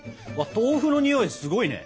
豆腐のにおいすごいね。